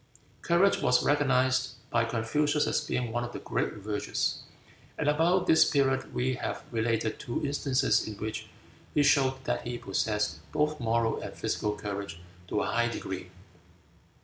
Courage was recognized by Confucius as being one of the great virtues, and about this period we have related two instances in which he showed that he possessed both moral and physical courage to a high degree.